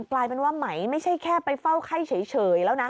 กลายเป็นว่าไหมไม่ใช่แค่ไปเฝ้าไข้เฉยแล้วนะ